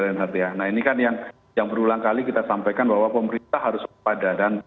nah ini kan yang berulang kali kita sampaikan bahwa pemerintah harus kepada